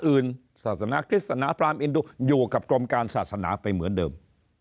อื่นศาสนาคริสนาพรามอินดูอยู่กับกรมการศาสนาไปเหมือนเดิม